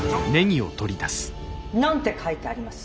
何て書いてあります？